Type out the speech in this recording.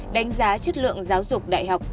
đánh giá chất lượng giáo dục đại học